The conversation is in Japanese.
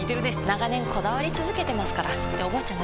長年こだわり続けてますからっておばあちゃん